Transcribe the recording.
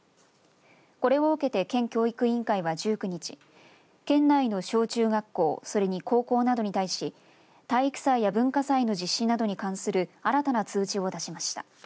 これを受けて県教育委員会は１９日県内の小中学校それに高校などに対し体育祭や文化祭の実施などに関する新たな通知を出しました。